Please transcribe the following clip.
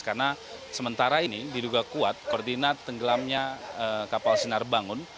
karena sementara ini diduga kuat koordinat tenggelamnya kapal sinar bangun